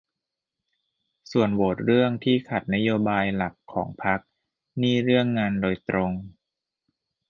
ส่วนโหวตเรื่องที่ขัดนโยบายหลักของพรรคนี่เรื่องงานโดยตรง